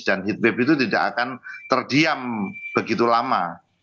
dan heatwave itu tidak akan terdiam begitu lama